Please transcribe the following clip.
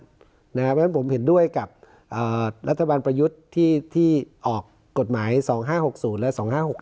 เพราะฉะนั้นผมเห็นด้วยกับรัฐบาลประยุทธ์ที่ออกกฎหมาย๒๕๖๐และ๒๕๖๖